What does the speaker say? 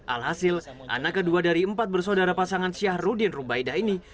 alhasil anak kedua dari empat bersaudara pasangan syahrudin rubaidah ini